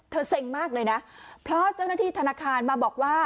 เซ็งมากเลยนะเพราะเจ้าหน้าที่ธนาคารมาบอกว่า